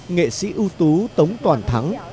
nghệ sĩ ưu tú tống toàn thắng